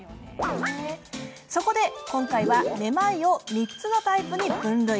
そこで今回はめまいを３つのタイプに分類。